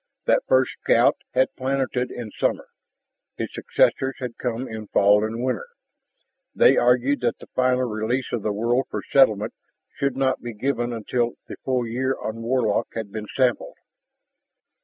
That first scout had planeted in summer; his successors had come in fall and winter. They argued that the final release of the world for settlement should not be given until the full year on Warlock had been sampled.